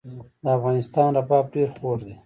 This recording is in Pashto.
د افغانستان رباب ډیر خوږ دی